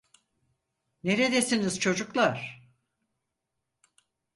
Neredesiniz çocuklar?